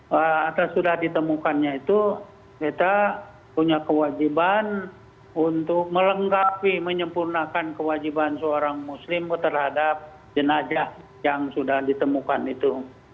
atas sudah ditemukannya itu kita punya kewajiban untuk melengkapi menyempurnakan kewajiban seorang muslim terhadap jenajah yang sudah ditemukan itu